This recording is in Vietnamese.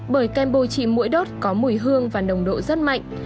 bởi kem bôi trì mũi đốt có mùi hương và nồng độ rất mạnh